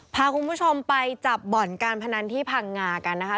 พาคุณผู้ชมไปจับบ่อนการพนันที่พังงากันนะคะ